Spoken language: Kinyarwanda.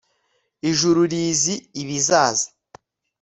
ijuru rizi ibizaza